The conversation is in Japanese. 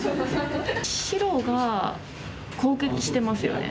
白が攻撃してますよね